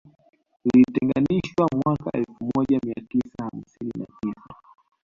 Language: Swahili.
Lilitenganishwa mwaka elfu moja mia tisa hamsini na tisa